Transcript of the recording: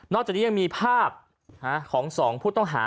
จากนี้ยังมีภาพของ๒ผู้ต้องหา